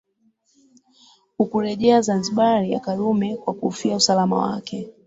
Hakurejea Zanzibar ya Karume kwa kuhofia usalama wake